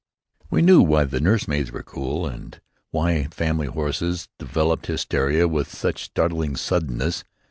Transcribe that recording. We knew why the nursemaids were cool, and why family horses developed hysteria with such startling suddenness.